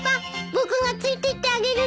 僕がついてってあげるです。